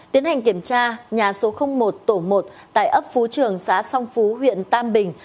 tiến hành kiểm tra nhà số một tổ một tại ấp phú trường xã song phú huyện tam bình